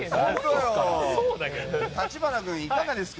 立花君、いかがですか。